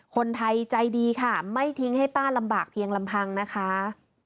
คนไทยใจดีค่ะไม่ทิ้งให้ป้าลำบากเพียงลำพังนะคะ